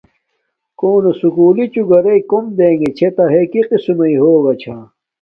کونو سوکولی چوہ گارݵ کوم دیگے چھتا ہݵ کی قسم مݵ ہوگا چھا،